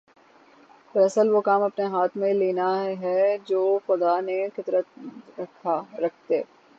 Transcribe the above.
دراصل وہ کام اپنے ہاتھ میں لینا ہے جوخدا نے قدرت رکھتے